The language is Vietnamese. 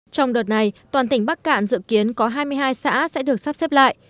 trong đợt này toàn tỉnh bắc cạn dự kiến có hai mươi hai xã sẽ được sắp xếp lại